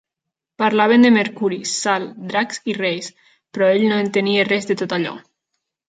Parlaven de mercuri, sal, dracs i reis, però ell no entenia res de tot allò.